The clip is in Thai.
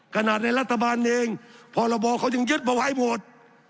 ขนาดในรัฐบาลเองพรบเขายังยึดมาไว้หมด